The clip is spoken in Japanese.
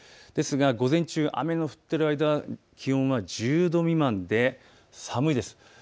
ですが午前中、雨の降っている間は気温は１０度未満で寒いです。